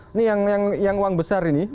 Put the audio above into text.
ini yang uang besar ini